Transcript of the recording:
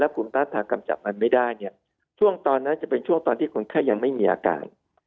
คุณต้านทางกำจับมันไม่ได้เนี่ยช่วงตอนนั้นจะเป็นช่วงตอนที่คนไข้ยังไม่มีอาการ